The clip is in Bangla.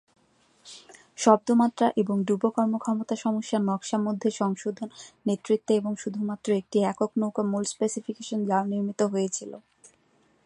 শব্দ মাত্রা এবং ডুবো কর্মক্ষমতা সমস্যা নকশা মধ্যে সংশোধন নেতৃত্বে এবং শুধুমাত্র একটি একক নৌকা মূল স্পেসিফিকেশন যাও নির্মিত হয়েছিল।